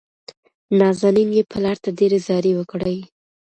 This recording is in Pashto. نازنين يې پلار ته ډېرې زارۍ وکړې.